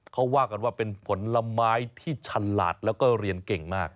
เขาว่ากันว่าเป็นผลไม้ที่ฉลาดแล้วก็เรียนเก่งมาก